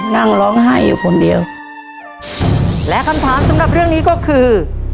นั่งร้องไห้อยู่คนเดียวและคำถามสำหรับเรื่องนี้ก็คือ